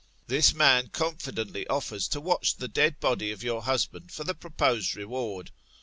This man confidently offers to watch the dead body of your husband for the proposed reward.